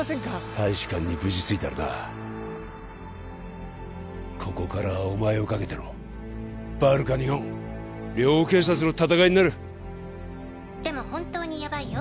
大使館に無事着いたらなここからはお前をかけてのバルカ日本両警察の戦いになる「でも本当にやばいよ